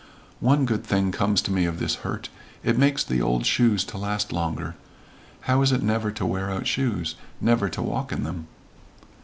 One good thing comes to me of this hurt. It makes the old shoes to last longer. How is it never to wear out shoes? Never to walk in them."